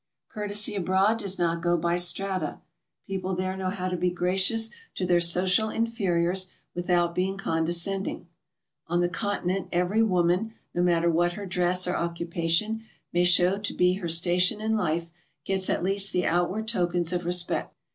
Courtesy abroad does not go by strata. People there PERSONALITIES. 233 know how to be gracious to their social inferiors without being condescending. On the Continent every woman, no matter what her dress or occupation may shcww to be her station in 'life, gets at least the outward tokens of respect.